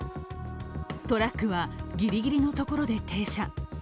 トラックは、ギリギリのところで停車。